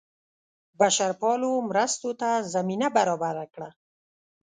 بشرپالو مرستو ته زمینه برابره کړه.